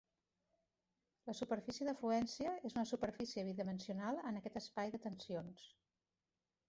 La superfície de fluència és una superfície bidimensional en aquest espai de tensions.